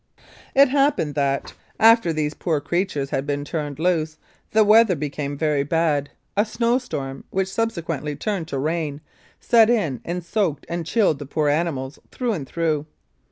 It happened that, after these 101 Mounted Police Life in Canada poor little creatures had been turned loose, the weather became very bad; a snowstorm, which subsequently turned to rain, set in and soaked and chilled the poor animals through and through.